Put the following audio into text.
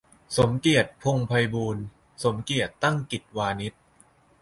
สมเกียรติ พงษ์ไพบูลย์ สมเกียรติ ตั้งกิจวานิชย์